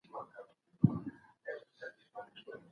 زدهکوونکي په ښوونځي کي د مسولیت احساس پیدا کوي.